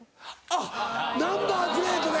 あっナンバープレートで。